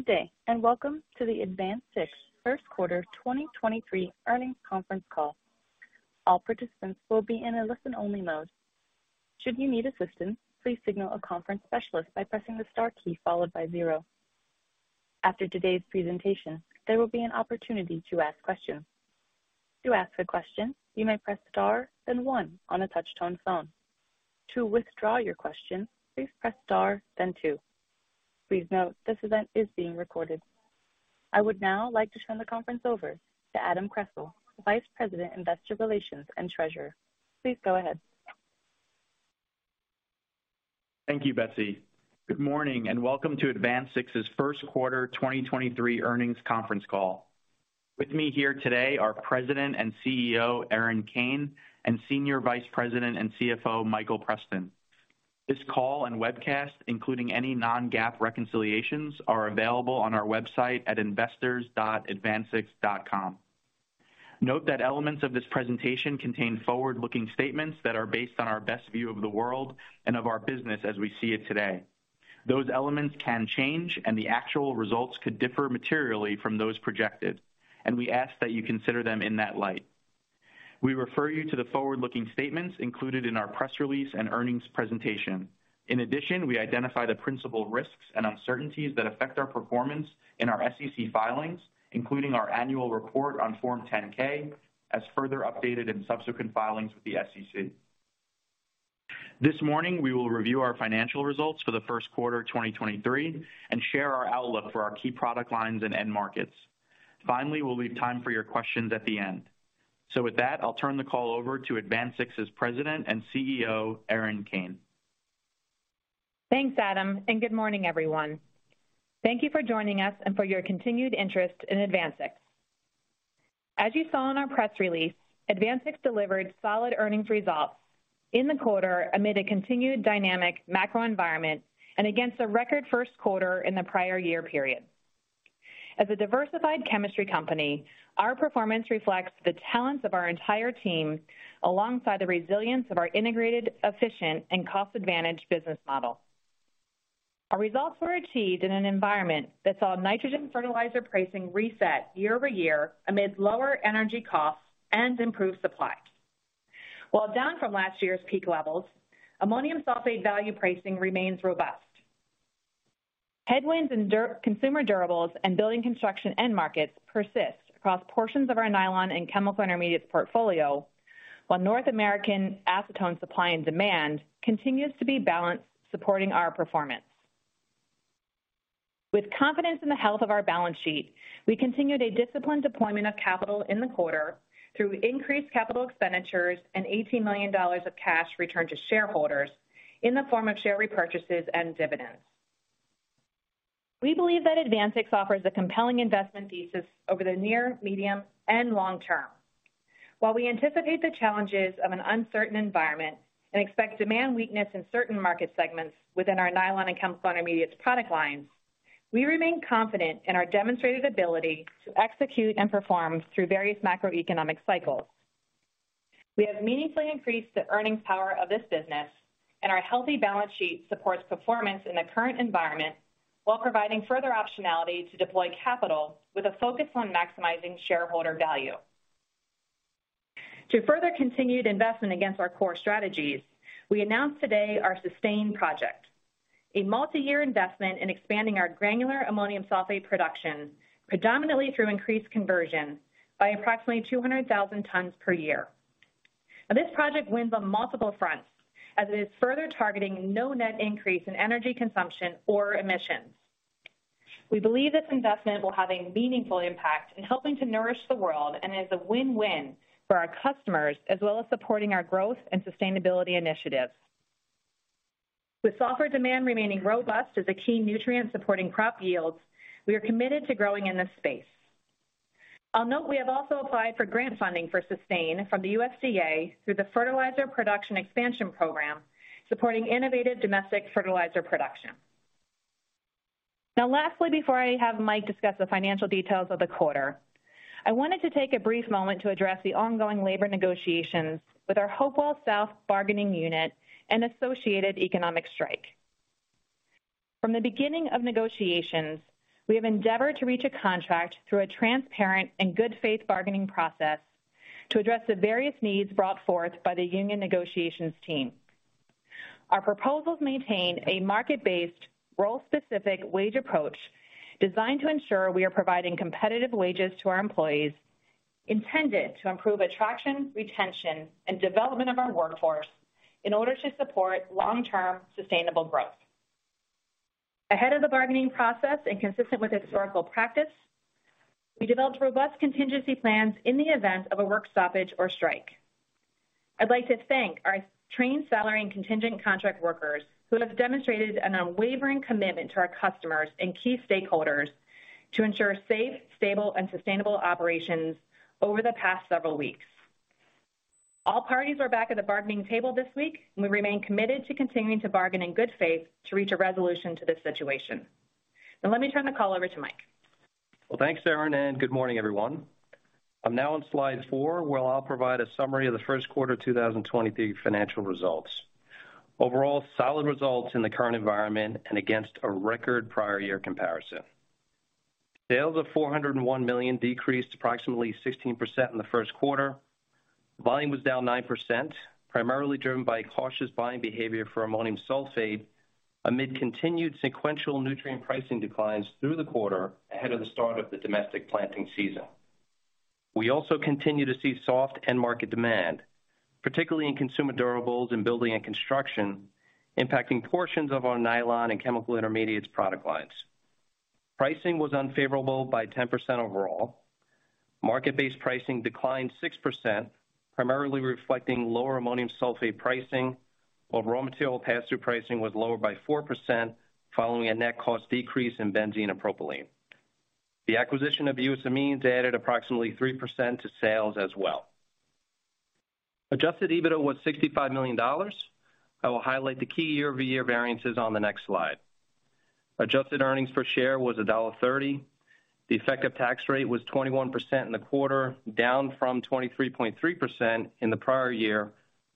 Good day, and welcome to the AdvanSix first quarter 2023 earnings conference call. All participants will be in a listen-only mode. Should you need assistance, please signal a conference specialist by pressing the Star key followed by zero. After today's presentation, there will be an opportunity to ask questions. To ask a question, you may press star then one on a touch-tone phone. To withdraw your question, please press star then two. Please note this event is being recorded. I would now like to turn the conference over to Adam Kressel, Vice President, Investor Relations, and Treasurer. Please go ahead. Thank you, Betsy. Good morning and welcome to AdvanSix's first quarter 2023 earnings conference call. With me here today are President and CEO, Erin Kane, and Senior Vice President and CFO, Michael Preston. This call and webcast, including any non-GAAP reconciliations, are available on our website at investors.advansix.com. Note that elements of this presentation contain forward-looking statements that are based on our best view of the world and of our business as we see it today. Those elements can change and the actual results could differ materially from those projected, and we ask that you consider them in that light. We refer you to the forward-looking statements included in our press release and earnings presentation. In addition, we identify the principal risks and uncertainties that affect our performance in our SEC filings, including our annual report on Form 10-K, as further updated in subsequent filings with the SEC. This morning, we will review our financial results for the first quarter of 2023 and share our outlook for our key product lines and end markets. Finally, we'll leave time for your questions at the end. With that, I'll turn the call over to AdvanSix's President and CEO, Erin Kane. Thanks, Adam. Good morning, everyone. Thank you for joining us and for your continued interest in AdvanSix. As you saw in our press release, AdvanSix delivered solid earnings results in the quarter amid a continued dynamic macro environment and against a record first quarter in the prior year period. As a diversified chemistry company, our performance reflects the talents of our entire team alongside the resilience of our integrated, efficient, and cost-advantaged business model. Our results were achieved in an environment that saw nitrogen fertilizer pricing reset year-over-year amid lower energy costs and improved supply. While down from last year's peak levels, ammonium sulfate value pricing remains robust. Headwinds in consumer durables and building construction end markets persist across portions of our nylon and chemical intermediate portfolio, while North American acetone supply and demand continues to be balanced, supporting our performance. With confidence in the health of our balance sheet, we continued a disciplined deployment of capital in the quarter through increased capital expenditures and $80 million of cash returned to shareholders in the form of share repurchases and dividends. We believe that AdvanSix offers a compelling investment thesis over the near, medium, and long term. While we anticipate the challenges of an uncertain environment and expect demand weakness in certain market segments within our nylon and chemical intermediates product lines, we remain confident in our demonstrated ability to execute and perform through various macroeconomic cycles. We have meaningfully increased the earnings power of this business and our healthy balance sheet supports performance in the current environment while providing further optionality to deploy capital with a focus on maximizing shareholder value. To further continued investment against our core strategies, we announced today our SUSTAIN project, a multi-year investment in expanding our granular ammonium sulfate production predominantly through increased conversion by approximately 200,000 tons per year. This project wins on multiple fronts as it is further targeting no net increase in energy consumption or emissions. We believe this investment will have a meaningful impact in helping to nourish the world and is a win-win for our customers, as well as supporting our growth and sustainability initiatives. With sulfur demand remaining robust as a key nutrient supporting crop yields, we are committed to growing in this space. I'll note we have also applied for grant funding for SUSTAIN from the USDA through the Fertilizer Production Expansion Program, supporting innovative domestic fertilizer production. Lastly, before I have Mike discuss the financial details of the quarter, I wanted to take a brief moment to address the ongoing labor negotiations with our Hopewell South bargaining unit and associated economic strike. From the beginning of negotiations, we have endeavored to reach a contract through a transparent and good faith bargaining process to address the various needs brought forth by the union negotiations team. Our proposals maintain a market-based, role-specific wage approach designed to ensure we are providing competitive wages to our employees, intended to improve attraction, retention, and development of our workforce in order to support long-term sustainable growth. Ahead of the bargaining process and consistent with historical practice, we developed robust contingency plans in the event of a work stoppage or strike. I'd like to thank our trained salary and contingent contract workers who have demonstrated an unwavering commitment to our customers and key stakeholders to ensure safe, stable, and sustainable operations over the past several weeks. All parties are back at the bargaining table this week, and we remain committed to continuing to bargain in good faith to reach a resolution to this situation. Now let me turn the call over to Mike. Well, thanks, Erin. Good morning, everyone. I'm now on slide four, where I'll provide a summary of the first quarter 2023 financial results. Overall solid results in the current environment and against a record prior year comparison. Sales of $401 million decreased approximately 16% in the first quarter. Volume was down 9%, primarily driven by cautious buying behavior for ammonium sulfate amid continued sequential nutrient pricing declines through the quarter ahead of the start of the domestic planting season. We also continue to see soft end market demand, particularly in consumer durables and building and construction, impacting portions of our nylon and chemical intermediates product lines. Pricing was unfavorable by 10% overall. Market-based pricing declined 6%, primarily reflecting lower ammonium sulfate pricing, while raw material pass-through pricing was lower by 4%, following a net cost decrease in benzene and propylene. The acquisition of U.S. Amines added approximately 3% to sales as well. Adjusted EBITDA was $65 million. I will highlight the key year-over-year variances on the next slide. Adjusted earnings per share was $1.30. The effective tax rate was 21% in the quarter, down from 23.3% in the prior year,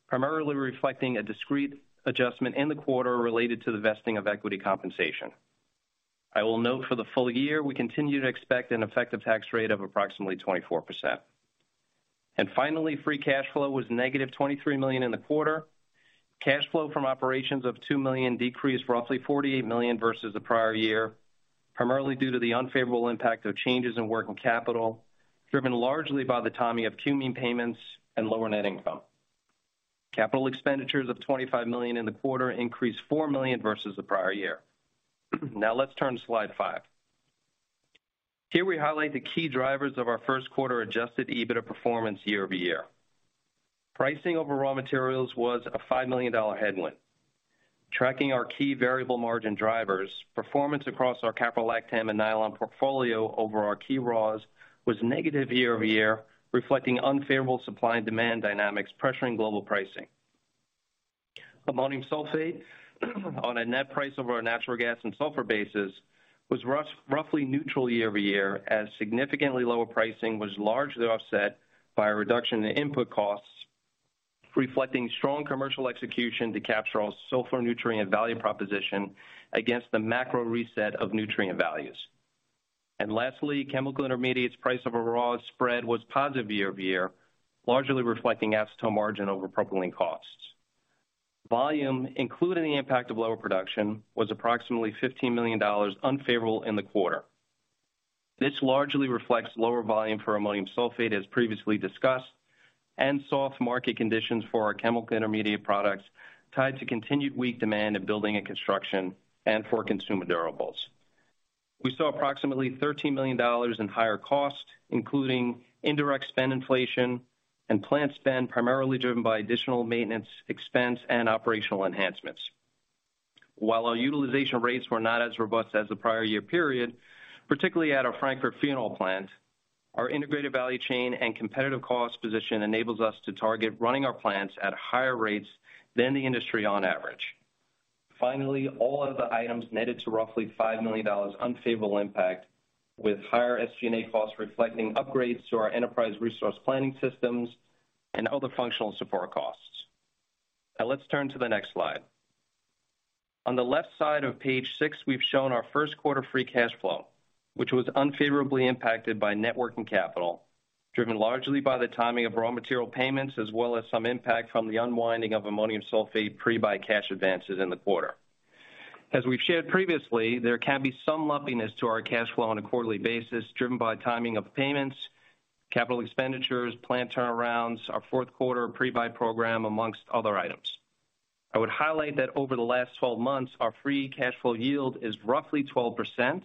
primarily reflecting a discrete adjustment in the quarter related to the vesting of equity compensation. I will note for the full year, we continue to expect an effective tax rate of approximately 24%. Finally, free cash flow was -$23 million in the quarter. Cash flow from operations of $2 million decreased roughly $48 million versus the prior year, primarily due to the unfavorable impact of changes in working capital, driven largely by the timing of cumene payments and lower net income. Capital expenditures of $25 million in the quarter increased $4 million versus the prior year. Let's turn to slide five. Here we highlight the key drivers of our first quarter Adjusted EBITDA performance year-over-year. Pricing over raw materials was a $5 million headwind. Tracking our key variable margin drivers, performance across our caprolactam and nylon portfolio over our key raws was negative year-over-year, reflecting unfavorable supply and demand dynamics pressuring global pricing. Ammonium sulfate on a net price over our natural gas and sulfur bases was rough, roughly neutral year-over-year as significantly lower pricing was largely offset by a reduction in input costs, reflecting strong commercial execution to capture all sulfur nutrient value proposition against the macro reset of nutrient values. Lastly, chemical intermediates price of a raw spread was positive year-over-year, largely reflecting acetone margin over propylene costs. Volume, including the impact of lower production, was approximately $15 million unfavorable in the quarter. This largely reflects lower volume for Ammonium sulfate, as previously discussed, and soft market conditions for our chemical intermediate products tied to continued weak demand in building and construction and for consumer durables. We saw approximately $13 million in higher costs, including indirect spend inflation and plant spend, primarily driven by additional maintenance expense and operational enhancements. While our utilization rates were not as robust as the prior year period, particularly at our Frankford phenol plant, our integrated value chain and competitive cost position enables us to target running our plants at higher rates than the industry on average. Finally, all other items netted to roughly $5 million unfavorable impact with higher SG&A costs reflecting upgrades to our enterprise resource planning systems and other functional support costs. Now let's turn to the next slide. On the left side of page six, we've shown our first quarter free cash flow, which was unfavorably impacted by net working capital, driven largely by the timing of raw material payments, as well as some impact from the unwinding of ammonium sulfate pre-buy cash advances in the quarter. As we've shared previously, there can be some lumpiness to our cash flow on a quarterly basis, driven by timing of payments, capital expenditures, plant turnarounds, our fourth quarter pre-buy program, amongst other items. I would highlight that over the last 12 months, our free cash flow yield is roughly 12%,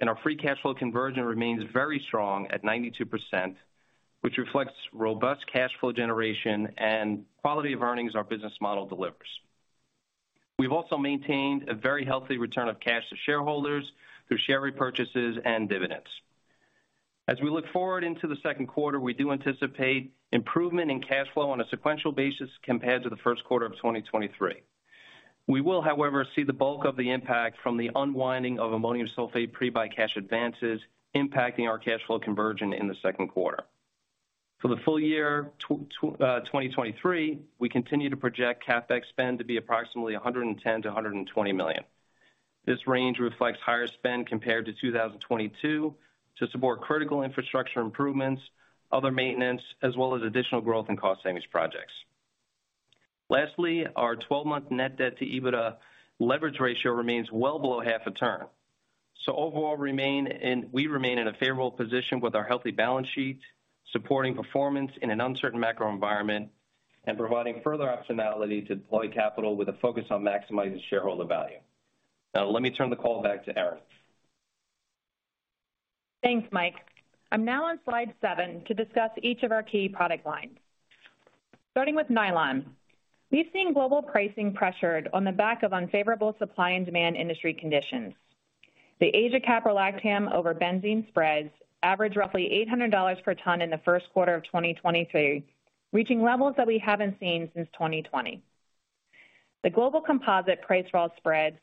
and our free cash flow conversion remains very strong at 92%, which reflects robust cash flow generation and quality of earnings our business model delivers. We've also maintained a very healthy return of cash to shareholders through share repurchases and dividends. As we look forward into the second quarter, we do anticipate improvement in cash flow on a sequential basis compared to the first quarter of 2023. We will, however, see the bulk of the impact from the unwinding of ammonium sulfate pre-buy cash advances impacting our cash flow conversion in the second quarter. For the full year 2023, we continue to project CapEx spend to be approximately $110 million-$120 million. This range reflects higher spend compared to 2022 to support critical infrastructure improvements, other maintenance, as well as additional growth and cost savings projects. Lastly, our 12-month net debt to EBITDA leverage ratio remains well below half a turn. Overall, we remain in a favorable position with our healthy balance sheets, supporting performance in an uncertain macro environment and providing further optionality to deploy capital with a focus on maximizing shareholder value. Let me turn the call back to Erin. Thanks, Mike. I'm now on slide seven to discuss each of our key product lines. Starting with nylon. We've seen global pricing pressured on the back of unfavorable supply and demand industry conditions. The Asia caprolactam over benzene spreads averaged roughly $800 per ton in the first quarter of 2023, reaching levels that we haven't seen since 2020. The global composite price raw spreads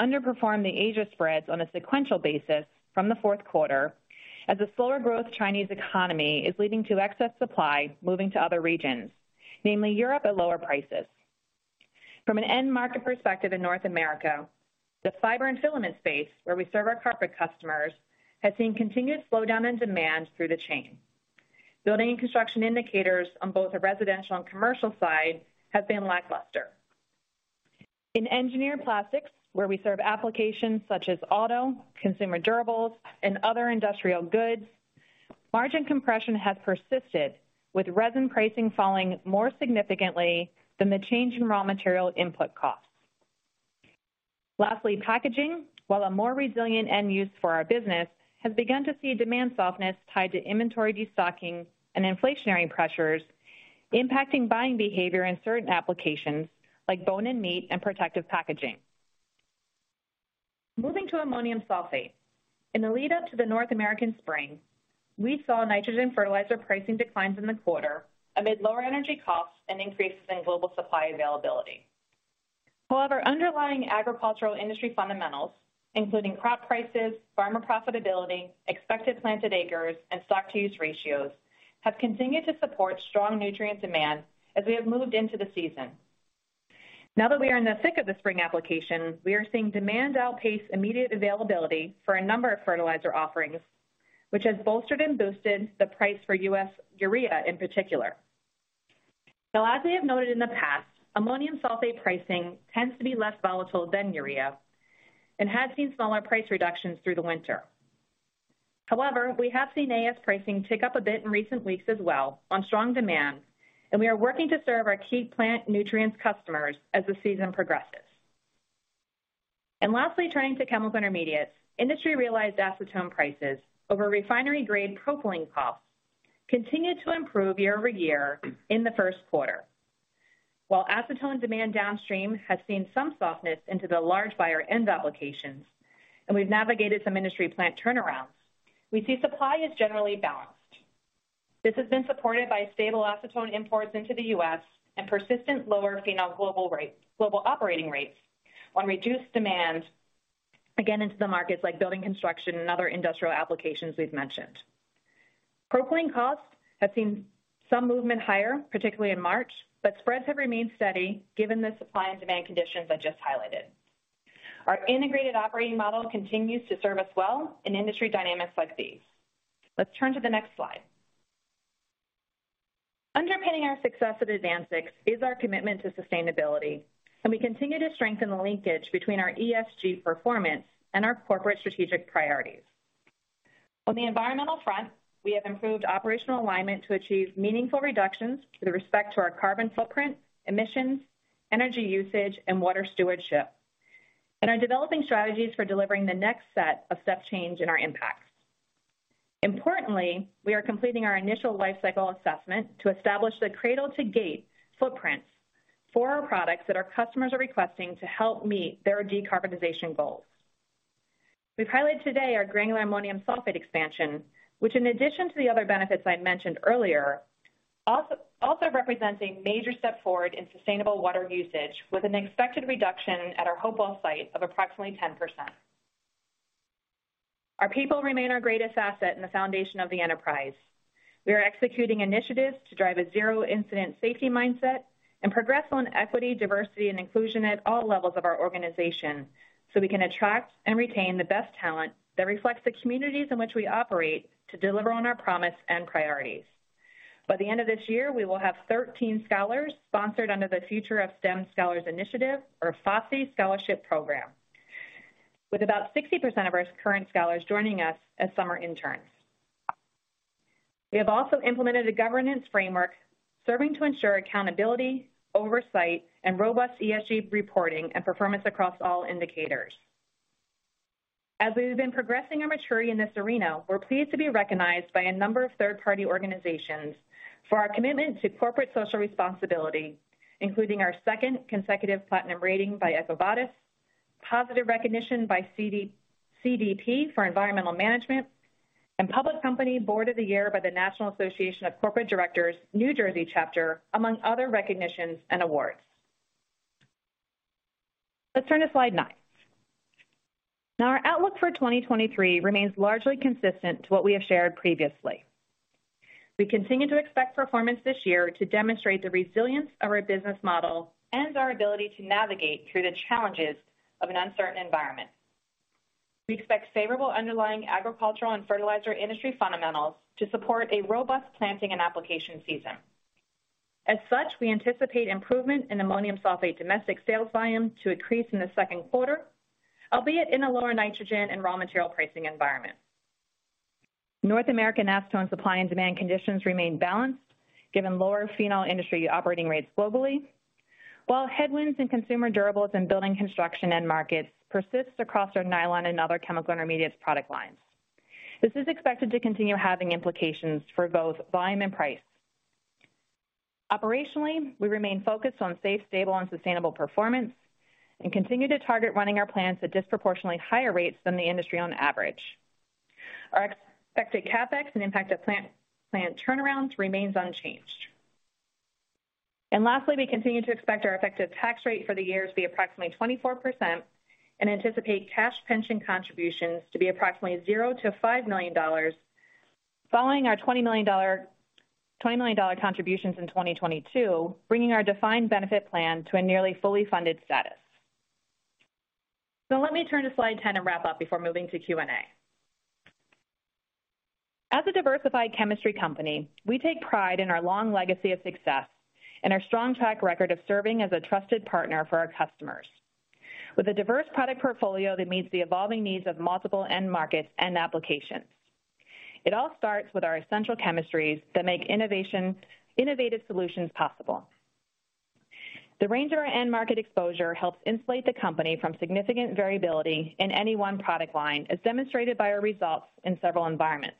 underperformed the Asia spreads on a sequential basis from the fourth quarter as the slower growth Chinese economy is leading to excess supply moving to other regions, namely Europe, at lower prices. From an end market perspective in North America, the fiber and filament space where we serve our carpet customers has seen continued slowdown in demand through the chain. Building and construction indicators on both the residential and commercial side have been lackluster. In engineered plastics, where we serve applications such as auto, consumer durables, and other industrial goods, margin compression has persisted, with resin pricing falling more significantly than the change in raw material input costs. Lastly, packaging, while a more resilient end use for our business, has begun to see demand softness tied to inventory destocking and inflationary pressures impacting buying behavior in certain applications like bone and meat and protective packaging. Moving to ammonium sulfate. In the lead-up to the North American spring, we saw nitrogen fertilizer pricing declines in the quarter amid lower energy costs and increases in global supply availability. However, underlying agricultural industry fundamentals, including crop prices, farmer profitability, expected planted acres, and stock-to-use ratios, have continued to support strong nutrient demand as we have moved into the season. We are in the thick of the spring application, we are seeing demand outpace immediate availability for a number of fertilizer offerings, which has bolstered and boosted the price for U.S. urea in particular. As we have noted in the past, ammonium sulfate pricing tends to be less volatile than urea and has seen smaller price reductions through the winter. We have seen AS pricing tick up a bit in recent weeks as well on strong demand, we are working to serve our key plant nutrients customers as the season progresses. Lastly, turning to chemical intermediates. Industry realized acetone prices over refinery-grade propylene costs continued to improve year-over-year in the first quarter. While acetone demand downstream has seen some softness into the large buyer end applications, we've navigated some industry plant turnarounds, we see supply is generally balanced. This has been supported by stable acetone imports into the U.S. and persistent lower phenol global operating rates on reduced demand, again, into the markets like building construction and other industrial applications we've mentioned. Propylene costs have seen some movement higher, particularly in March, but spreads have remained steady given the supply and demand conditions I just highlighted. Our integrated operating model continues to serve us well in industry dynamics like these. Let's turn to the next slide. Underpinning our success at AdvanSix is our commitment to sustainability, and we continue to strengthen the linkage between our ESG performance and our corporate strategic priorities. On the environmental front, we have improved operational alignment to achieve meaningful reductions with respect to our carbon footprint, emissions, energy usage, and water stewardship, and are developing strategies for delivering the next set of step change in our impacts. Importantly, we are completing our initial life cycle assessment to establish the cradle-to-gate footprint for our products that our customers are requesting to help meet their decarbonization goals. We've highlighted today our granular ammonium sulfate expansion, which in addition to the other benefits I mentioned earlier, also represents a major step forward in sustainable water usage, with an expected reduction at our Hopewell site of approximately 10%. Our people remain our greatest asset and the foundation of the enterprise. We are executing initiatives to drive a zero incident safety mindset and progress on equity, diversity, and inclusion at all levels of our organization, so we can attract and retain the best talent that reflects the communities in which we operate to deliver on our promise and priorities. By the end of this year, we will have 13 scholars sponsored under the Future of STEM Scholars Initiative, or FOSSI Scholarship Program, with about 60% of our current scholars joining us as summer interns. We have also implemented a governance framework serving to ensure accountability, oversight, and robust ESG reporting and performance across all indicators. As we have been progressing and maturing in this arena, we're pleased to be recognized by a number of third-party organizations for our commitment to corporate social responsibility, including our second consecutive platinum rating by EcoVadis, positive recognition by CDP for environmental management, and Public Company Board of the Year by the National Association of Corporate Directors, New Jersey Chapter, among other recognitions and awards. Let's turn to slide nine. Now, our outlook for 2023 remains largely consistent to what we have shared previously. We continue to expect performance this year to demonstrate the resilience of our business model and our ability to navigate through the challenges of an uncertain environment. We expect favorable underlying agricultural and fertilizer industry fundamentals to support a robust planting and application season. We anticipate improvement in ammonium sulfate domestic sales volume to increase in the second quarter, albeit in a lower nitrogen and raw material pricing environment. North American acetone supply and demand conditions remain balanced given lower phenol industry operating rates globally, while headwinds in consumer durables and building construction end markets persists across our nylon and other chemical intermediates product lines. This is expected to continue having implications for both volume and price. Operationally, we remain focused on safe, stable, and sustainable performance and continue to target running our plants at disproportionately higher rates than the industry on average. Our expected CapEx and impact of plant turnarounds remains unchanged. Lastly, we continue to expect our effective tax rate for the year to be approximately 24% and anticipate cash pension contributions to be approximately $0-$5 million following our $20 million contributions in 2022, bringing our defined benefit plan to a nearly fully funded status. Let me turn to slide 10 and wrap up before moving to Q&A. As a diversified chemistry company, we take pride in our long legacy of success and our strong track record of serving as a trusted partner for our customers with a diverse product portfolio that meets the evolving needs of multiple end markets and applications. It all starts with our essential chemistries that make innovative solutions possible. The range of our end market exposure helps insulate the company from significant variability in any one product line, as demonstrated by our results in several environments.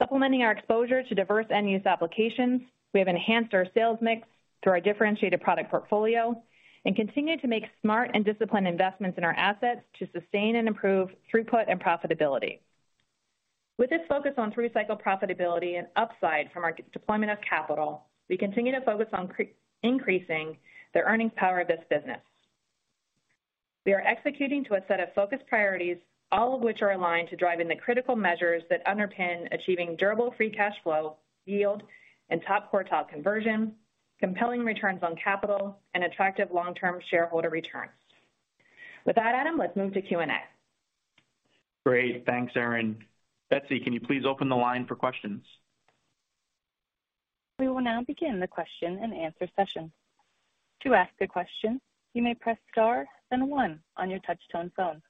Supplementing our exposure to diverse end use applications, we have enhanced our sales mix through our differentiated product portfolio and continue to make smart and disciplined investments in our assets to sustain and improve throughput and profitability. With this focus on through cycle profitability and upside from our deployment of capital, we continue to focus on increasing the earnings power of this business. We are executing to a set of focused priorities, all of which are aligned to drive in the critical measures that underpin achieving durable free cash flow yield and top quartile conversion, compelling returns on capital and attractive long-term shareholder returns. With that, Adam, let's move to Q&A. Great. Thanks, Erin. Betsy, can you please open the line for questions? We will now begin the question and answer session. To ask a question, you may press star, then one on your touch-tone phone.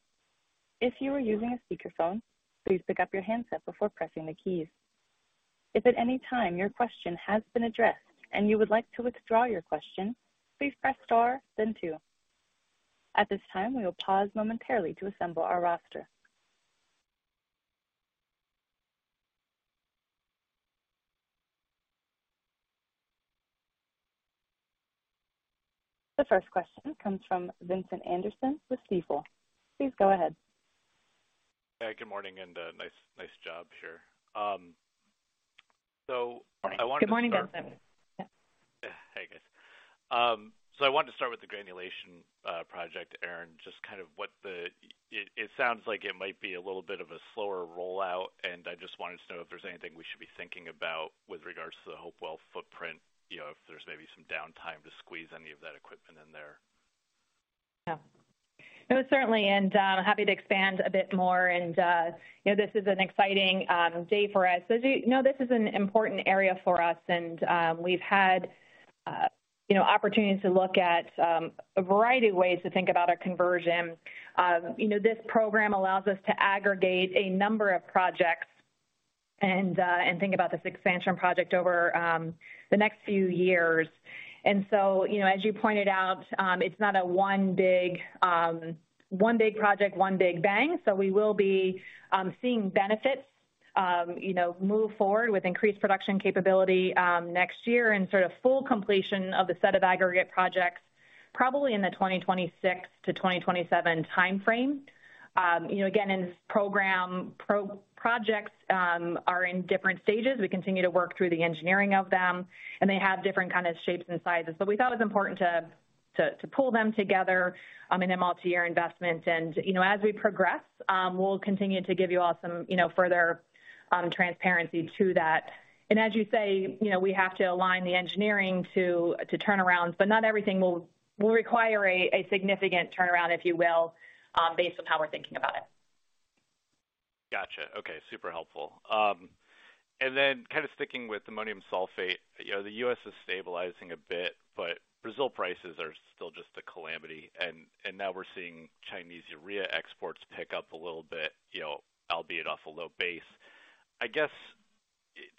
If you are using a speakerphone, please pick up your handset before pressing the keys. If at any time your question has been addressed and you would like to withdraw your question, please press star then two. At this time, we will pause momentarily to assemble our roster. The first question comes from Vincent Anderson with Stifel. Please go ahead. Hey, good morning and, nice job here. I wanted to start. Good morning, Vincent. Yeah. Hey, guys. I wanted to start with the granulation project, Erin, just kind of It sounds like it might be a little bit of a slower rollout, and I just wanted to know if there's anything we should be thinking about with regards to the Hopewell footprint, you know, if there's maybe some downtime to squeeze any of that equipment in there. Yeah. No, certainly. Happy to expand a bit more. You know, this is an exciting day for us. As you know, this is an important area for us and we've had, you know, opportunities to look at a variety of ways to think about a conversion. You know, this program allows us to aggregate a number of projects and think about this expansion project over the next few years. You know, as you pointed out, it's not a one big one big project, one big bang. We will be seeing benefits, you know, move forward with increased production capability next year and sort of full completion of the set of aggregate projects probably in the 2026 to 2027 timeframe. You know, again, in projects, are in different stages. We continue to work through the engineering of them, and they have different kind of shapes and sizes. We thought it was important to pull them together, in a multi-year investment. You know, as we progress, we'll continue to give you all some, you know, further transparency to that. As you say, you know, we have to align the engineering to turn around, but not everything will require a significant turnaround, if you will, based on how we're thinking about it. Gotcha. Okay. Super helpful. Then kind of sticking with ammonium sulfate, you know, the U.S. is stabilizing a bit, but Brazil prices are still just a calamity and now we're seeing Chinese urea exports pick up a little bit, you know, albeit off a low base. I guess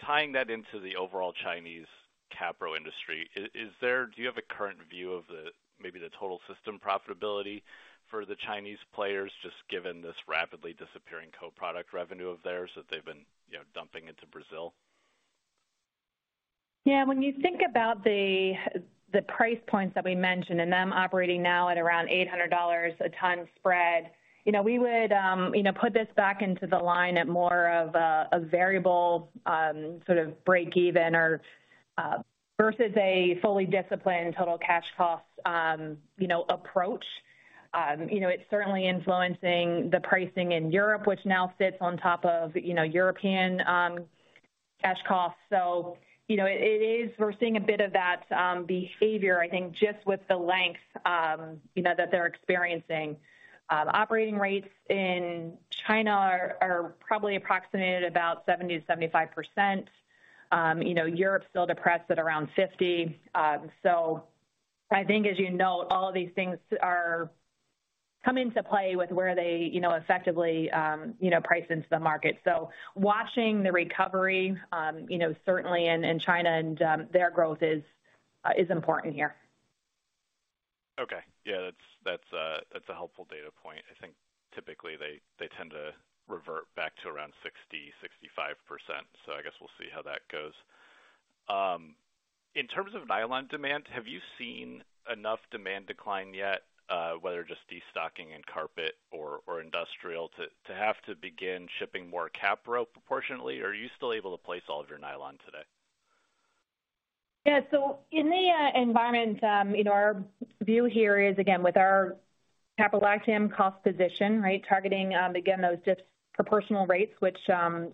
tying that into the overall Chinese capro industry, is there do you have a current view of the maybe the total system profitability for the Chinese players, just given this rapidly disappearing co-product revenue of theirs that they've been, you know, dumping into Brazil? Yeah. When you think about the price points that we mentioned and them operating now at around $800 a ton spread, you know, we would, you know, put this back into the line at more of a variable sort of break even or versus a fully disciplined total cash cost, you know, approach. You know, it's certainly influencing the pricing in Europe, which now sits on top of, you know, European cash costs. You know, we're seeing a bit of that behavior, I think, just with the length, you know, that they're experiencing. Operating rates in China are probably approximated about 70%-75%. You know, Europe is still depressed at around 50%. I think, as you note, all of these things are coming to play with where they, you know, effectively, you know, price into the market. Watching the recovery, you know, certainly in China and, their growth is important here. Okay. Yeah. That's, that's a helpful data point. I think typically they tend to revert back to around 60%-65%. I guess we'll see how that goes. In terms of nylon demand, have you seen enough demand decline yet, whether just destocking in carpet or industrial to have to begin shipping more capro proportionately? Are you still able to place all of your nylon today? Yeah. In the environment, you know, our view here is again, with our caprolactam cost position, right? Targeting again, those just proportional rates which,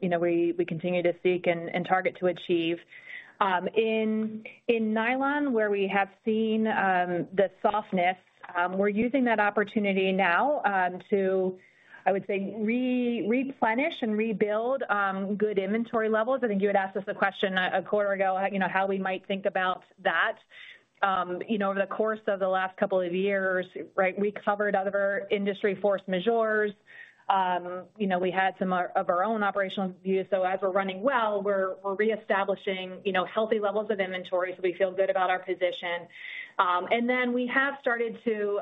you know, we continue to seek and target to achieve. In nylon, where we have seen the softness, we're using that opportunity now to, I would say, replenish and rebuild good inventory levels. I think you had asked us a question a quarter ago, you know, how we might think about that. You know, over the course of the last couple of years, right, we covered other industry force majeures. You know, we had some of our own operational views. As we're running well, we're reestablishing, you know, healthy levels of inventory. We feel good about our position. We have started to,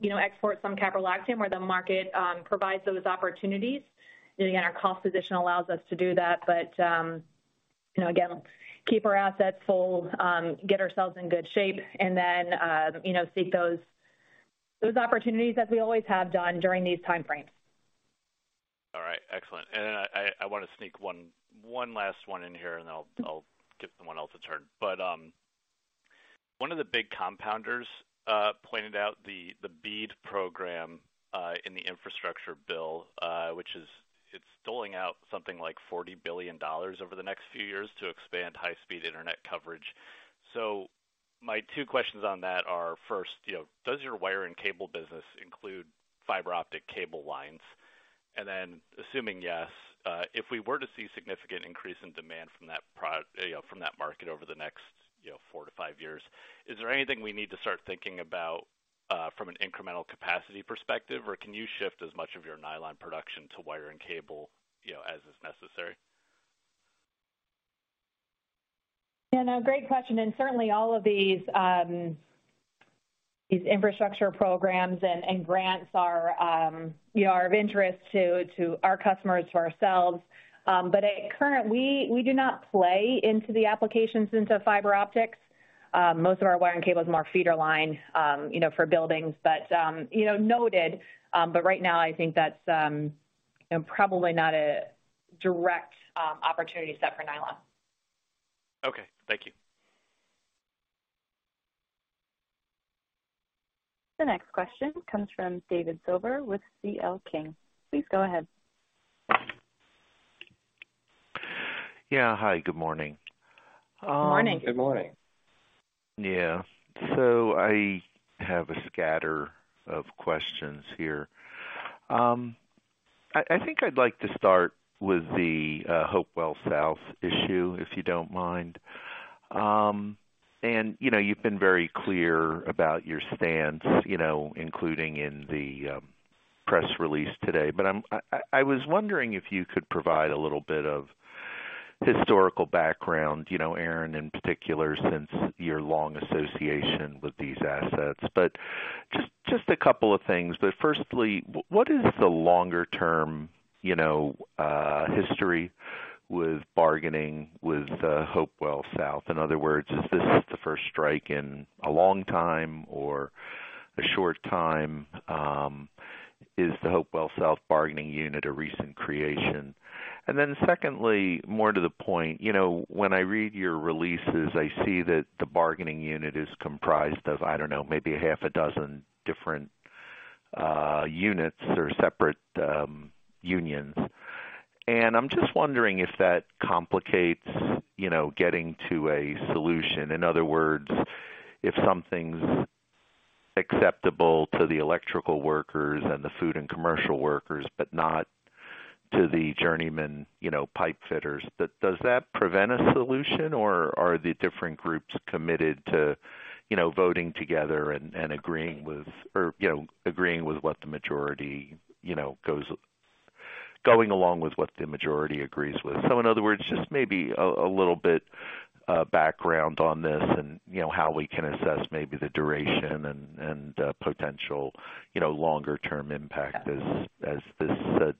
you know, export some caprolactam where the market provides those opportunities. Again, our cost position allows us to do that. You know, again, keep our assets full, get ourselves in good shape and then, you know, seek those opportunities as we always have done during these time frames. All right, excellent. I wanna sneak one last one in here, and then I'll give someone else a turn. One of the big compounders pointed out the BEAD program in the infrastructure bill, which is, it's doling out something like $40 billion over the next few years to expand high speed internet coverage. My two questions on that are, first, you know, does your wire and cable business include fiber optic cable lines? Assuming, yes, if we were to see significant increase in demand you know, from that market over the next, you know, four to five years, is there anything we need to start thinking about, from an incremental capacity perspective, or can you shift as much of your nylon production to wire and cable, you know, as is necessary? Yeah, no, great question. Certainly all of these infrastructure programs and grants are, you know, are of interest to our customers, to ourselves. At current, we do not play into the applications into fiber optics. Most of our wire and cable is more feeder line, you know, for buildings, but, you know, noted. Right now I think that's, you know, probably not a direct, opportunity set for nylon. Okay. Thank you. The next question comes from David Silver with CL King. Please go ahead. Yeah. Hi, good morning, Morning. Good morning. Yeah. I have a scatter of questions here. I think I'd like to start with the Hopewell South issue, if you don't mind. You know, you've been very clear about your stance, you know, including in the press release today. I was wondering if you could provide a little bit of historical background, you know, Erin, in particular, since your long association with these assets. Just, just a couple of things. Firstly, what is the longer term, you know, history with bargaining with Hopewell South? In other words, is this the first strike in a long time or a short time? Is the Hopewell South bargaining unit a recent creation? Secondly, more to the point, you know, when I read your releases, I see that the bargaining unit is comprised of, I don't know, maybe a half a dozen different units or separate unions. I'm just wondering if that complicates, you know, getting to a solution. In other words, if something's acceptable to the electrical workers and the food and commercial workers, but not to the journeymen, you know, pipe fitters, does that prevent a solution or are the different groups committed to, you know, voting together and agreeing with or, you know, agreeing with what the majority, you know, going along with what the majority agrees with? In other words, just maybe a little bit background on this and, you know, how we can assess maybe the duration and potential, you know, longer term impact as this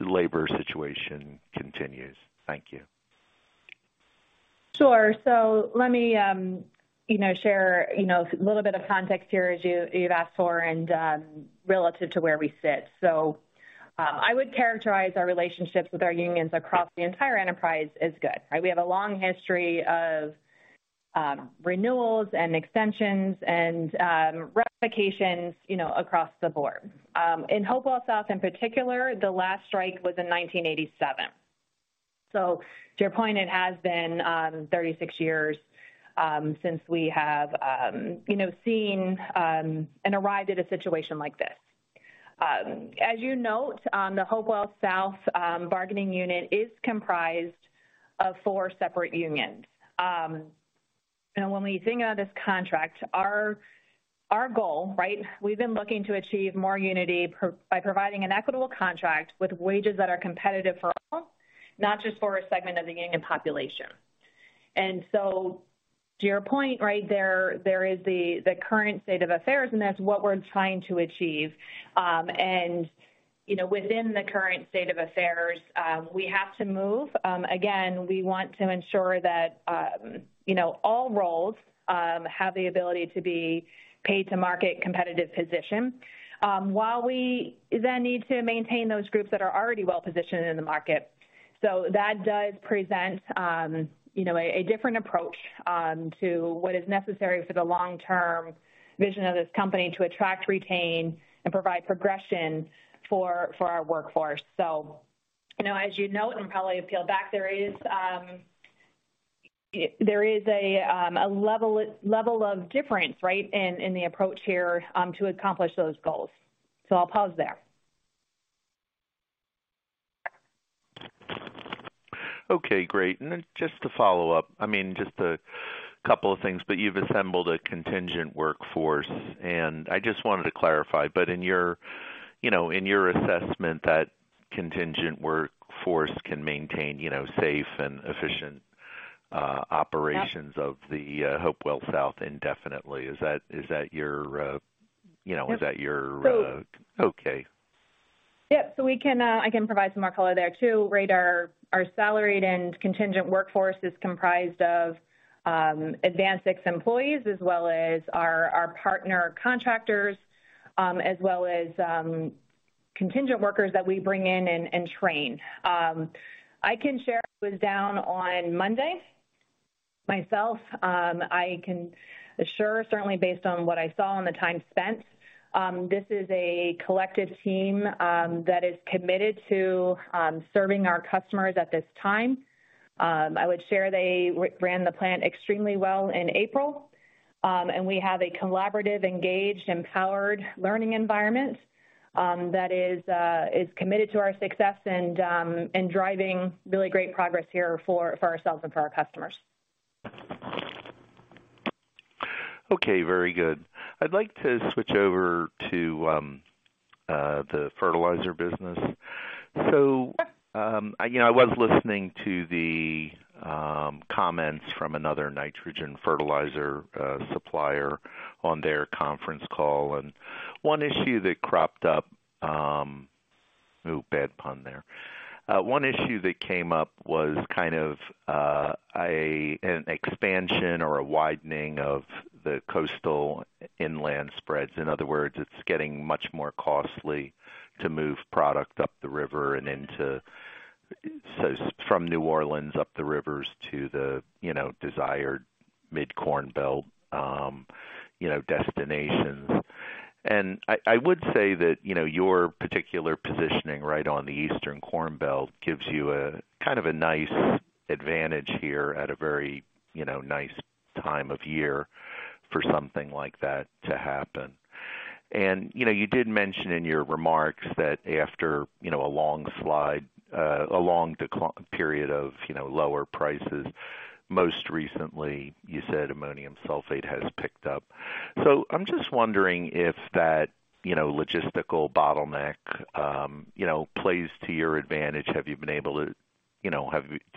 labor situation continues. Thank you. Sure. Let me, you know, share, you know, a little bit of context here as you've asked for and, relative to where we sit. I would characterize our relationships with our unions across the entire enterprise as good, right? We have a long history of renewals and extensions and ratifications, you know, across the board. In Hopewell South in particular, the last strike was in 1987. To your point, it has been 36 years since we have, you know, seen and arrived at a situation like this. As you note, the Hopewell South bargaining unit is comprised of four separate unions. When we think about this contract, our goal, right, we've been looking to achieve more unity by providing an equitable contract with wages that are competitive for all, not just for a segment of the union population. To your point right there is the current state of affairs, and that's what we're trying to achieve. And, you know, within the current state of affairs, we have to move. Again, we want to ensure that, you know, all roles have the ability to be paid to market competitive position, while we then need to maintain those groups that are already well-positioned in the market. That does present, you know, a different approach to what is necessary for the long-term vision of this company to attract, retain, and provide progression for our workforce. You know, as you note and probably appeal back, there is, there is a level of difference, right, in the approach here, to accomplish those goals. I'll pause there. Okay, great. Just to follow up, I mean, just a couple of things, but you've assembled a contingent workforce. I just wanted to clarify, in your, you know, in your assessment that contingent workforce can maintain, you know, safe and efficient operations of the Hopewell South indefinitely. Is that your, you know? So- Okay. Yeah. We can, I can provide some more color there too. Right. Our salaried and contingent workforce is comprised of AdvanSix employees as well as our partner contractors, as well as contingent workers that we bring in and train. I can share it was down on Monday myself. I can assure certainly based on what I saw in the time spent, this is a collective team that is committed to serving our customers at this time. I would share they ran the plant extremely well in April. We have a collaborative, engaged, empowered learning environment that is committed to our success and driving really great progress here for ourselves and for our customers. Okay. Very good. I'd like to switch over to the fertilizer business. You know, I was listening to the comments from another nitrogen fertilizer supplier on their conference call, and one issue that cropped up. Ooh, bad pun there. One issue that came up was kind of an expansion or a widening of the coastal inland spreads. In other words, it's getting much more costly to move product up the river. From New Orleans up the rivers to the, you know, desired Mid-Corn Belt, you know, destinations. I would say that, you know, your particular positioning right on the Eastern Corn Belt gives you a kind of a nice advantage here at a very, you know, nice time of year for something like that to happen. you know, you did mention in your remarks that after, you know, a long slide, a long period of, you know, lower prices, most recently, you said ammonium sulfate has picked up. I'm just wondering if that, you know, logistical bottleneck, you know, plays to your advantage. Do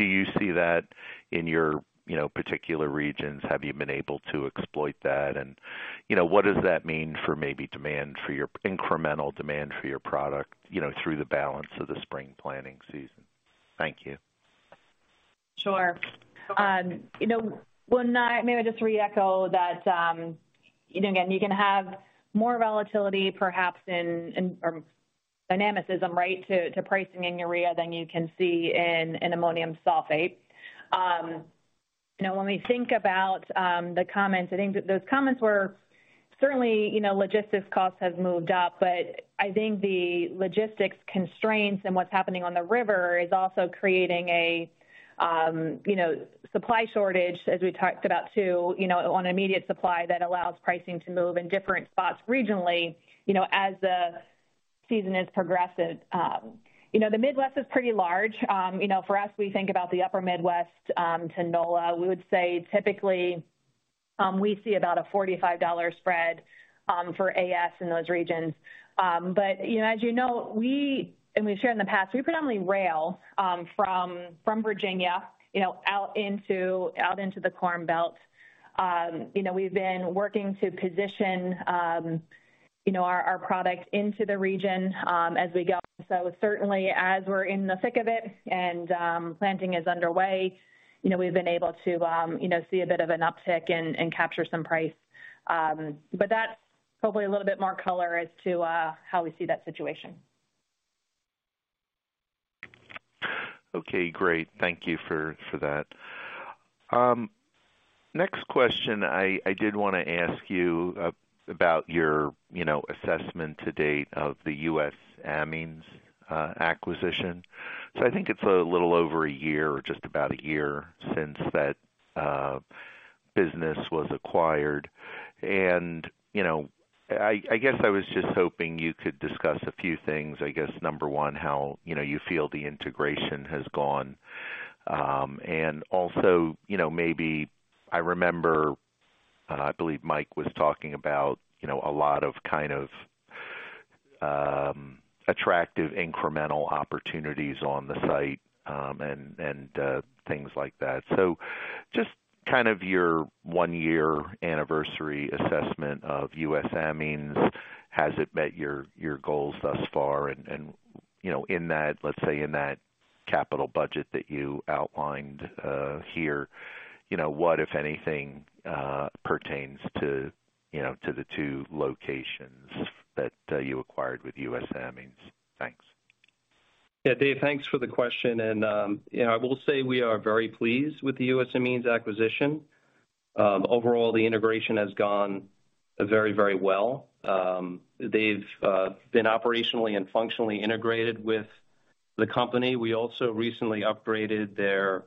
you see that in your, you know, particular regions? Have you been able to exploit that? you know, what does that mean for maybe incremental demand for your product, you know, through the balance of the spring planning season? Thank you. Sure. You know, maybe I just re-echo that, you know, again, you can have more volatility perhaps in or dynamicism, right, to pricing in urea than you can see in an ammonium sulfate. You know, when we think about, the comments, I think that those comments were certainly, you know, logistics costs have moved up, but I think the logistics constraints and what's happening on the river is also creating a, you know, supply shortage as we talked about too, you know, on immediate supply that allows pricing to move in different spots regionally, you know, as the season is progressive. You know, the Midwest is pretty large. You know, for us, we think about the upper Midwest, to NOLA. We would say typically, we see about a $45 spread for AS in those regions. You know, as you know, we've shared in the past, we predominantly rail from Virginia out into the Corn Belt. You know, we've been working to position our product into the region as we go. Certainly as we're in the thick of it and planting is underway, you know, we've been able to see a bit of an uptick and capture some price. That's hopefully a little bit more color as to how we see that situation. Okay, great. Thank you for that. Next question, I did wanna ask you about your, you know, assessment to date of the U.S. Amines acquisition? I think it's a little over a year or just about a year since that business was acquired. You know, I guess I was just hoping you could discuss a few things. I guess, number one, how, you know, you feel the integration has gone. And also, you know, maybe I remember, and I believe Mike was talking about, you know, a lot of attractive incremental opportunities on the site, and, things like that. Just kind of your one year anniversary assessment of U.S. Amines, has it met your goals thus far? You know, in that, let's say in that capital budget that you outlined, here, you know what, if anything, pertains to, you know, to the two locations that you acquired with U.S. Amines? Thanks. David, thanks for the question. I will say we are very pleased with the U.S. Amines acquisition. Overall, the integration has gone very well. They've been operationally and functionally integrated with the company. We also recently upgraded their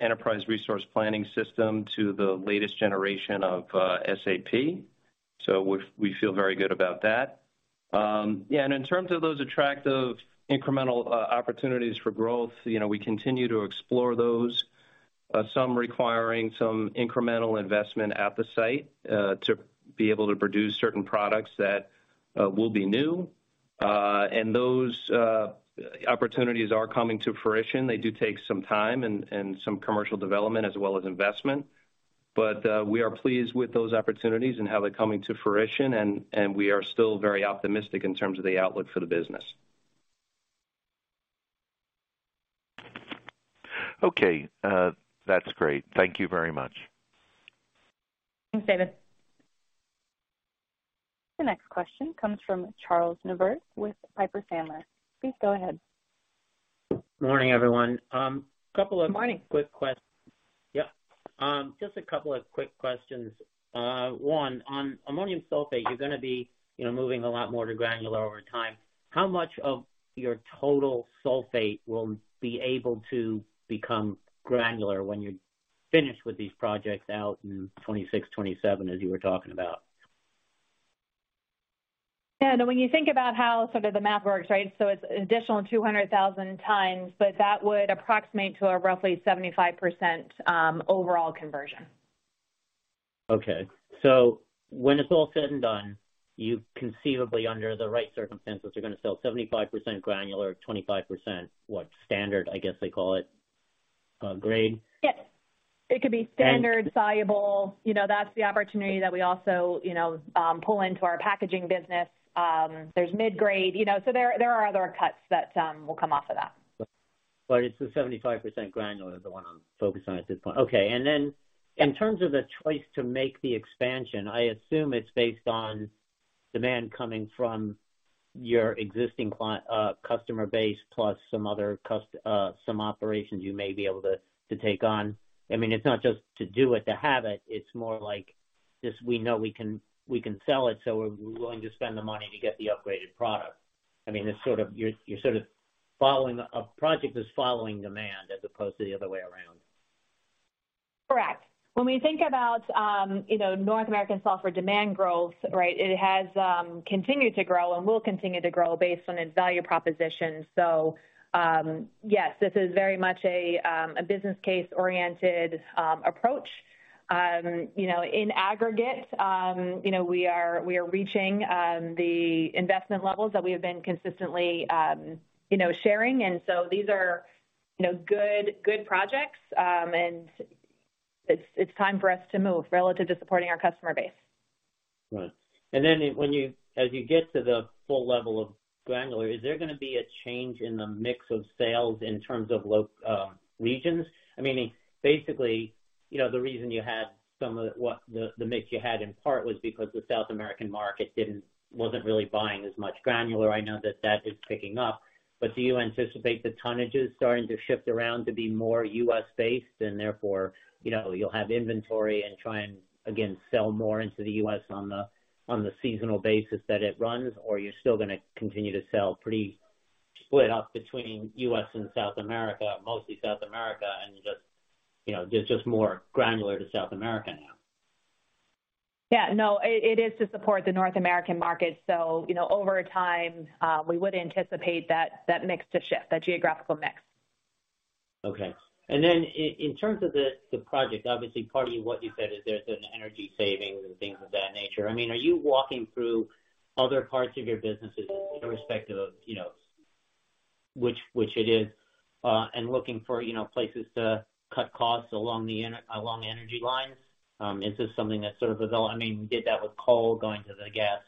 enterprise resource planning system to the latest generation of SAP. We feel very good about that. In terms of those attractive incremental opportunities for growth, you know, we continue to explore those. Some requiring some incremental investment at the site to be able to produce certain products that will be new. Those opportunities are coming to fruition. They do take some time and some commercial development as well as investment. We are pleased with those opportunities and how they're coming to fruition, and we are still very optimistic in terms of the outlook for the business. Okay. That's great. Thank you very much. Thanks, David. The next question comes from Charles Neivert with Piper Sandler. Please go ahead. Morning, everyone. Morning. Quick questions. Yep. Just a couple of quick questions. One, on ammonium sulfate, you're gonna be, you know, moving a lot more to granular over time. How much of your total sulfate will be able to become granular when you're finished with these projects out in 2026, 2027, as you were talking about? When you think about how sort of the math works, right, it's an additional 200,000 times. That would approximate to a roughly 75% overall conversion. When it's all said and done, you conceivably under the right circumstances are gonna sell 75% granular, 25%, what, standard, I guess they call it, grade? Yes. It could be standard-. And- soluble. You know, that's the opportunity that we also, you know, pull into our packaging business. There's mid-grade, you know, so there are other cuts that will come off of that. It's the 75% granular is the one I'm focused on at this point. Okay. In terms of the choice to make the expansion, I assume it's based on demand coming from your existing customer base, plus some other operations you may be able to take on. I mean, it's not just to do it, to have it's more like just we know we can sell it, so we're willing to spend the money to get the upgraded product. I mean, you're sort of following a project that's following demand as opposed to the other way around. Correct. When we think about, you know, North American sulfur demand growth, right, it has continued to grow and will continue to grow based on its value proposition. Yes, this is very much a business case-oriented approach. You know, in aggregate, you know, we are reaching the investment levels that we have been consistently, you know, sharing. These are, you know, good projects. It's, it's time for us to move relative to supporting our customer base. As you get to the full level of granular, is there gonna be a change in the mix of sales in terms of regions, I mean, basically, you know, the reason you had some of what the mix you had in part was because the South American market wasn't really buying as much granular. I know that that is picking up. Do you anticipate the tonnages starting to shift around to be more US-based and therefore, you know, you'll have inventory and try and again sell more into the US on the seasonal basis that it runs, or you're still gonna continue to sell pretty split up between US and South America, mostly South America, and just, you know, there's just more granular to South America now? Yeah. No, it is to support the North American market. You know, over time, we would anticipate that mix to shift, that geographical mix. Okay. In terms of the project, obviously part of what you said is there's an energy savings and things of that nature. I mean, are you walking through other parts of your businesses irrespective of, you know, which it is, and looking for, you know, places to cut costs along energy lines? Is this something that's sort of I mean, we did that with coal going to the gas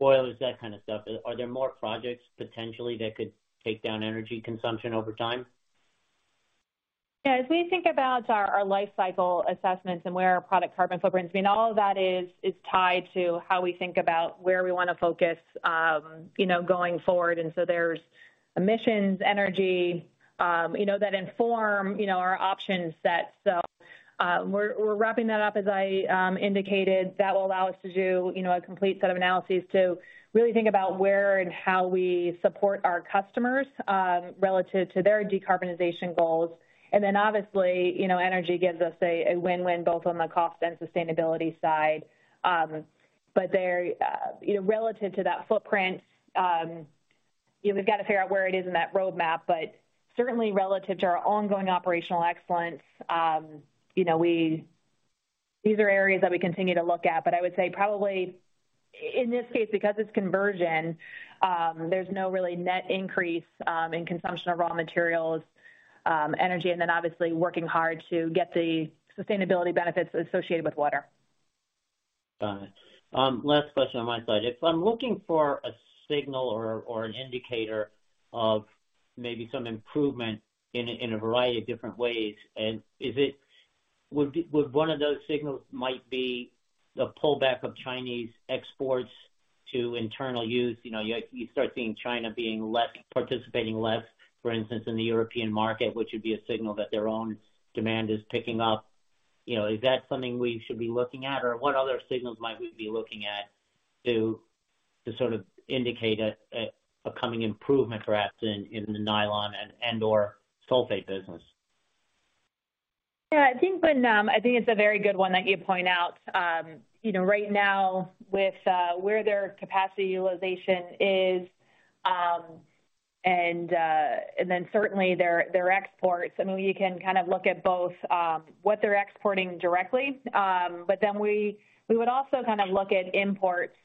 boilers, that kind of stuff. Are there more projects potentially that could take down energy consumption over time? Yeah. As we think about our life cycle assessments and where our product carbon footprints, I mean, all of that is tied to how we think about where we wanna focus, you know, going forward. There's emissions energy, you know, that inform, you know, our option set. We're wrapping that up, as I indicated. That will allow us to do, you know, a complete set of analyses to really think about where and how we support our customers, relative to their decarbonization goals. Obviously, you know, energy gives us a win-win both on the cost and sustainability side. They're, you know, relative to that footprint, you know, we've got to figure out where it is in that roadmap. Certainly relative to our ongoing operational excellence, you know, these are areas that we continue to look at. I would say probably in this case, because it's conversion, there's no really net increase in consumption of raw materials, energy, and then obviously working hard to get the sustainability benefits associated with water. Got it. Last question on my side. If I'm looking for a signal or an indicator of maybe some improvement in a variety of different ways, Would one of those signals might be the pullback of Chinese exports to internal use? You know, you start seeing China being participating less, for instance, in the European market, which would be a signal that their own demand is picking up. You know, is that something we should be looking at? Or what other signals might we be looking at to sort of indicate a coming improvement perhaps in the nylon and/or sulfate business? Yeah, I think it's a very good one that you point out. You know, right now with where their capacity utilization is, and then certainly their exports, I mean, we can kind of look at both what they're exporting directly. We, we would also kind of look at imports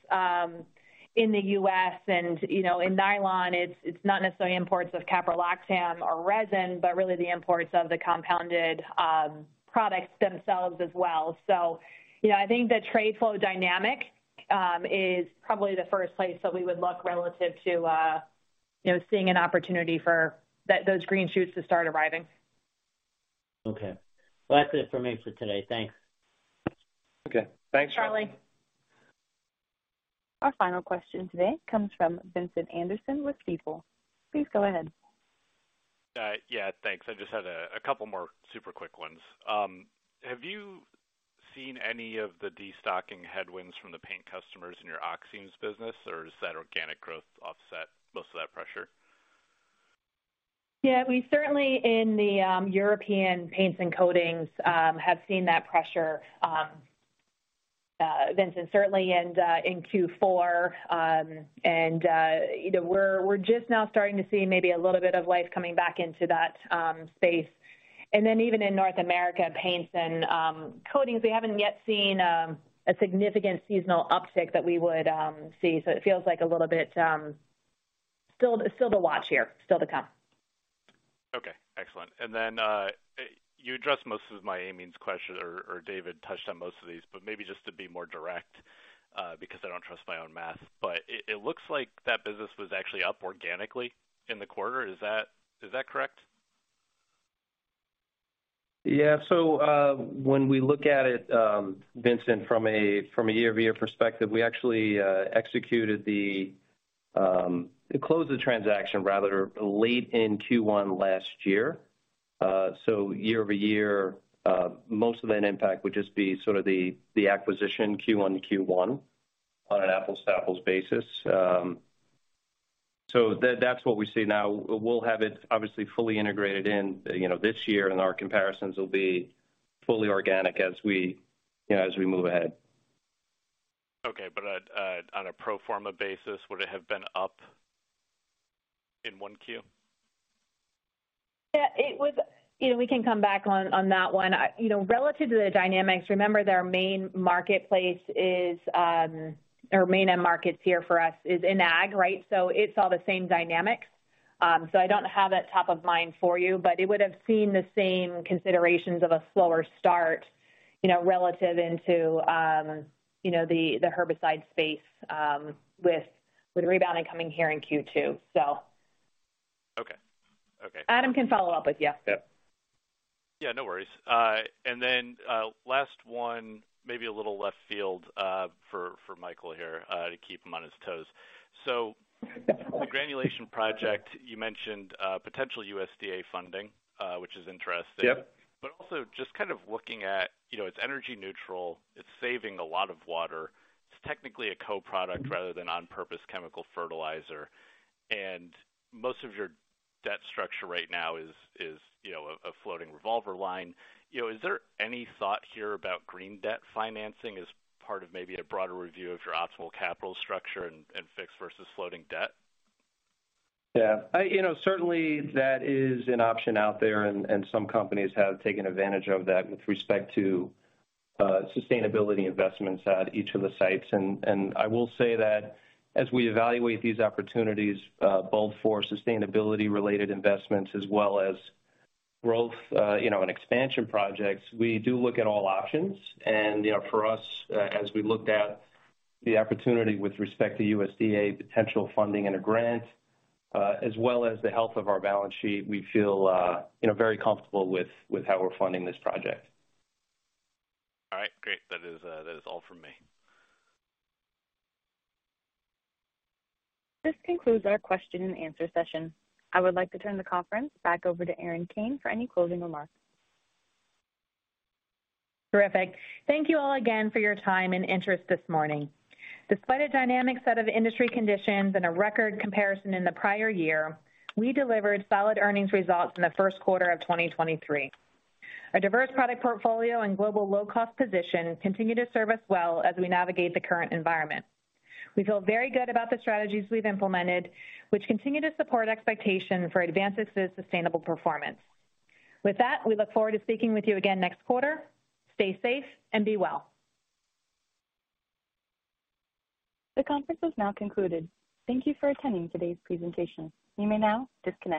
in the U.S. and, you know, in nylon, it's not necessarily imports of caprolactam or resin, but really the imports of the compounded products themselves as well. You know, I think the trade flow dynamic is probably the first place that we would look relative to, you know, seeing an opportunity for that, those green shoots to start arriving. Okay. Well, that's it for me for today. Thanks. Okay, thanks. Charlie. Our final question today comes from Vincent Anderson with Stifel. Please go ahead. Yeah, thanks. I just had a couple more super quick ones. Have you seen any of the destocking headwinds from the paint customers in your oximes business, or has that organic growth offset most of that pressure? Yeah, we certainly in the European paints and coatings have seen that pressure, Vincent, certainly in Q4. You know, we're just now starting to see maybe a little bit of life coming back into that space. Even in North America paints and coatings, we haven't yet seen a significant seasonal uptick that we would see. It feels like a little bit still to watch here, still to come. Okay, excellent. Then, you addressed most of my amines question or David touched on most of these, but maybe just to be more direct, because I don't trust my own math, but it looks like that business was actually up organically in the quarter. Is that correct? When we look at it, Vincent, from a year-over-year perspective, we actually executed the transaction rather late in Q1 last year. Year-over-year, most of that impact would just be sort of the acquisition Q1 to Q1 on an apples to apples basis. That's what we see now. We'll have it obviously fully integrated in, you know, this year, and our comparisons will be fully organic as we, you know, as we move ahead. Okay. On a pro forma basis, would it have been up in 1Q? You know, we can come back on that one. You know, relative to the dynamics, remember their main marketplace is, or main end markets here for us is in Ag, right? It's all the same dynamics. I don't have that top of mind for you, but it would have seen the same considerations of a slower start, you know, relative into, you know, the herbicide space, with rebounding coming here in Q2. Okay. Okay. Adam can follow up with you. Yeah. Yeah, no worries. Last one, maybe a little left field, for Michael here, to keep him on his toes. The granulation project, you mentioned, potential USDA funding, which is interesting. Yep. Also just kind of looking at, you know, it's energy neutral, it's saving a lot of water. It's technically a co-product rather than on-purpose chemical fertilizer. Most of your debt structure right now is, you know, a floating revolver line. You know, is there any thought here about green debt financing as part of maybe a broader review of your optimal capital structure and fixed versus floating debt? Yeah. You know, certainly that is an option out there, and some companies have taken advantage of that with respect to sustainability investments at each of the sites. I will say that as we evaluate these opportunities, both for sustainability related investments as well as growth, you know, and expansion projects, we do look at all options. You know, for us, as we looked at the opportunity with respect to USDA potential funding and a grant, as well as the health of our balance sheet, we feel, you know, very comfortable with how we're funding this project. All right, great. That is all from me. This concludes our question and answer session. I would like to turn the conference back over to Erin Kane for any closing remarks. Terrific. Thank you all again for your time and interest this morning. Despite a dynamic set of industry conditions and a record comparison in the prior year, we delivered solid earnings results in the first quarter of 2023. Our diverse product portfolio and global low cost position continue to serve us well as we navigate the current environment. We feel very good about the strategies we've implemented, which continue to support expectation for AdvanSix's sustainable performance. With that, we look forward to speaking with you again next quarter. Stay safe and be well. The conference is now concluded. Thank you for attending today's presentation. You may now disconnect.